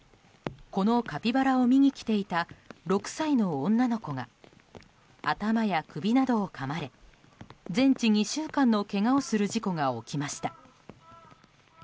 このカピバラを見に来ていた６歳の女の子が頭や首などをかまれ全治２週間のけがをする事故が起きました。